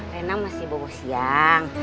rena masih bobo siang